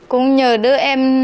cũng nhờ đứa em